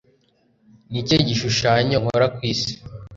Ni ikihe gishushanyo nkora ku isi